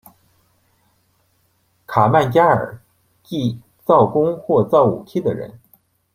卡曼加尔即造弓或造武器的人。